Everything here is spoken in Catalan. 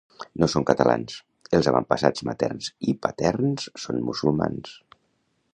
No són catalans, els avantpassats materns i paterns són Musulmans